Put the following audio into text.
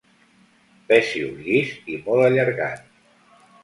Pecíol llis i molt allargat.